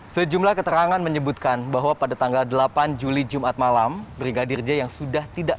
sejumlah keterangan menyebutkan bahwa pada tanggal delapan juli jumat malam brigadir j yang sudah tidak